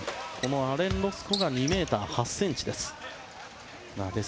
アレン・ロスコが２ｍ８ｃｍです。